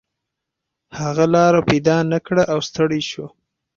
هغه لاره پیدا نه کړه او ستړی شو.